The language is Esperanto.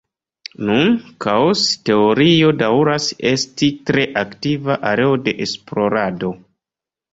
Nun, kaos-teorio daŭras esti tre aktiva areo de esplorado.